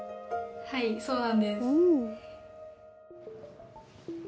はいそうなんです。